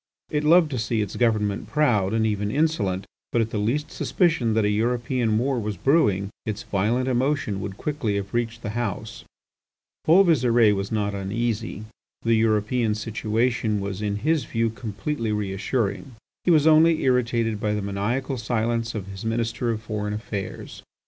It loved to see its government proud and even insolent, but at the least suspicion that a European war was brewing, its violent emotion would quickly have reached the House. Paul Visire was not uneasy. The European situation was in his view completely reassuring. He was only irritated by the maniacal silence of his Minister of Foreign Affairs.